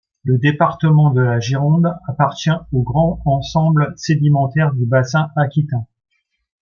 Le département de la Gironde appartient au grand ensemble sédimentaire du Bassin aquitain.